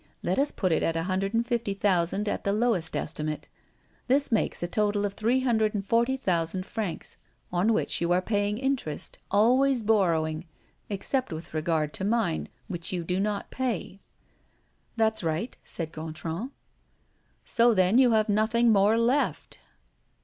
Let us put it at a hundred and fifty thousand at the lowest estimate. This makes a total of three hundred and forty thousand francs, on which you are paying interest, always borrowing, except with regard to mine, which you do not pay." "That's right," said Gontran. "So then, you have nothing more left."